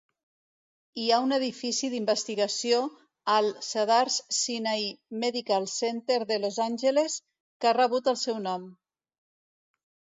Hi ha un edifici d'investigació al Cedars-Sinai Medical Center de Los Angeles que ha rebut el seu nom.